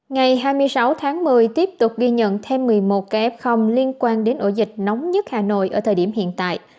ngày hai mươi sáu tháng một mươi tiếp tục ghi nhận thêm một mươi một ca f liên quan đến ổ dịch nóng nhất hà nội ở thời điểm hiện tại